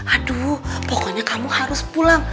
aduh pokoknya kamu harus pulang